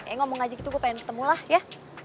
eh ngomong ngaji gitu gue pengen ketemu lah ya